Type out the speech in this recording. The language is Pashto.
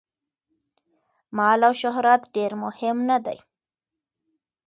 مال او شهرت ډېر مهم نه دي.